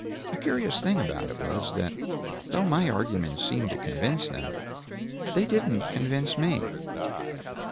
A curious thing about it was, that though my arguments seemed to convince them, they didn't convince me.